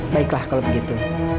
baiklah kalau begitu